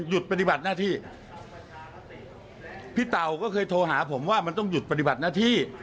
หยุดปฏิบัติหน้าที่พี่เต่าก็เคยโทรหาผมว่ามันต้องหยุดปฏิบัติหน้าที่